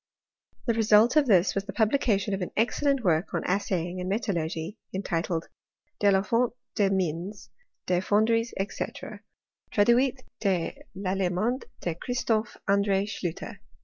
The result of this was the publication of an excellent work on assaying and metalluigy, entitled De la Fonte des Mines, dea FonderieSy &c. Traduit de I'Allemand de Christophe Andre Schlutter."